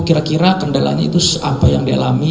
kira kira kendalanya itu apa yang dialami